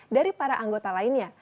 dari para anggota lainnya